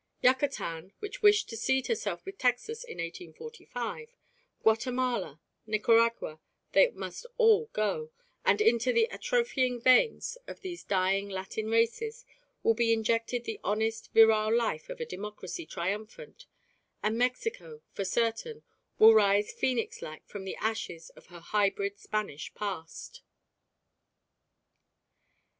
Yucatan (which wished to cede herself with Texas in 1845), Guatemala, Nicaragua, they must all go, and into the atrophying veins of these dying Latin races will be injected the honest virile life of a democracy triumphant, and Mexico, for certain, will rise Phœ like from the ashes of her hybrid Spanish past.